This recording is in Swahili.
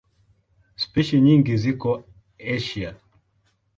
Spishi nyingi ziko Asia.